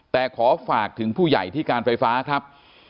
แต่ขอฝากถึงผู้ใหญ่ที่การไฟฟ้าครับ